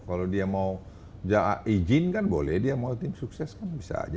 kalau dia mau izinkan boleh dia mau tim sukses kan bisa aja